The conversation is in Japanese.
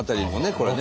これね。